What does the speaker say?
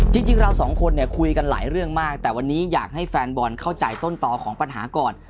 จริงเราสองคนเนี่ยคุยกันหลายเรื่องมากแต่วันนี้อยากให้แฟนบอลเข้าใจต้นต่อของปัญหาก่อน